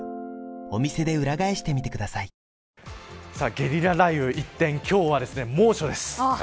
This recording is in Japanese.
ゲリラ雷雨一転今日は猛暑です。